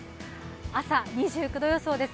朝、２９度予想です。